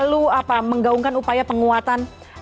ahli it khususnya yang selalu menggaungkan upaya penguatannya